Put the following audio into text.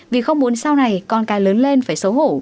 vì không muốn sau này con cái lớn lên phải xấu hổ